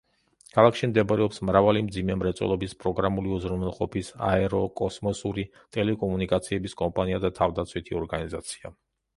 ქალაქში მდებარეობს მრავალი მძიმე მრეწველობის, პროგრამული უზრუნველყოფის, აეროკოსმოსური, ტელეკომუნიკაციების კომპანია და თავდაცვითი ორგანიზაცია.